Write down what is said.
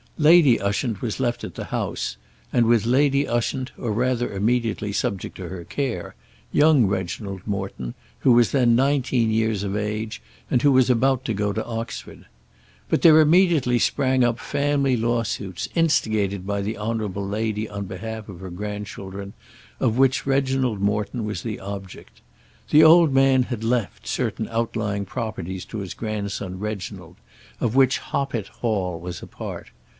Lady Ushant was left at the house, and with Lady Ushant, or rather immediately subject to her care, young Reginald Morton, who was then nineteen years of age, and who was about to go to Oxford. But there immediately sprang up family lawsuits, instigated by the honourable lady on behalf of her grandchildren, of which Reginald Morton was the object. The old man had left certain outlying properties to his grandson Reginald, of which Hoppet Hall was a part.